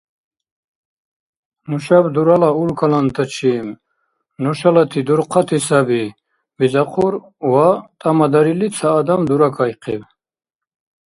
«Нушаб дурала улкалантачиб нушалати дурхъати саби», — бизахъур ва, тӏамадарили, ца адам дурайкахъиб.